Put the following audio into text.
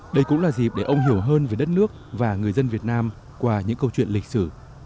đây cũng là dịp để ông hiểu hơn về đất nước và người dân việt nam qua những câu chuyện lịch sử